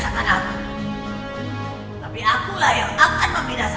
tapi akulah yang akan memilasanku mereka